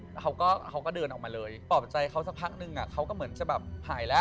แล้วเขาก็เดินออกมาเลยปลอบใจเขาสักพักนึงเขาก็เหมือนจะแบบหายแล้ว